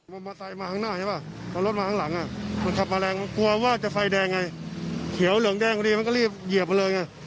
มีคนงานล่วงมาแล้วก็วิ่งหนีไปเลย